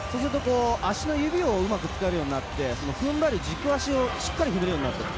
足の指をうまく使えるようになって、踏ん張る軸足をしっかり振れるようになったと。